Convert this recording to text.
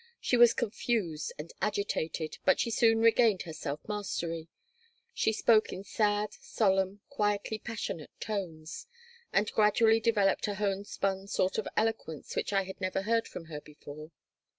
She was confused and agitated, but she soon regained her self mastery. She spoke in sad, solemn, quietly passionate tones, and gradually developed a homespun sort of eloquence which I had never heard from her before.